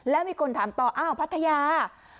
แล้วมีคนถามต่ออ้าวพัทยา